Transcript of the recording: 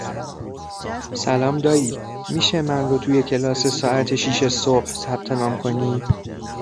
سلام دایی میشه من رو توی کلاس ساعت شیش صبح ثبت نام کنی؟